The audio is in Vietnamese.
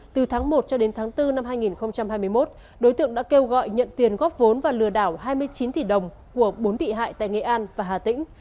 từ tháng một cho đến tháng bốn năm hai nghìn hai mươi một đối tượng đã kêu gọi nhận tiền góp vốn và lừa đảo hai mươi chín tỷ đồng của bốn bị hại tại nghệ an và hà tĩnh